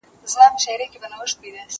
زه اجازه لرم چي درسونه اورم!!